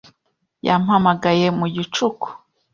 Yampamagaye mu gicuku.